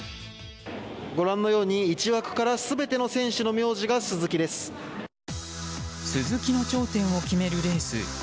ご覧のように１枠から全ての選手の名字が鈴木の頂点を決めるレース。